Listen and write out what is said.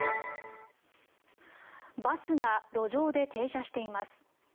バスが路上で停車しています。